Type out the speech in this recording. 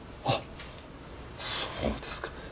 あっそうですか。